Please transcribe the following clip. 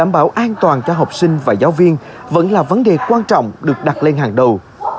bảo an toàn cho học sinh và giáo viên vẫn là vấn đề quan trọng được đặt lên hàng đầu